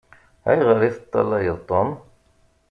Ayɣeṛ i teṭṭalayeḍ Tom?